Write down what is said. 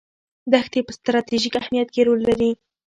دښتې په ستراتیژیک اهمیت کې رول لري.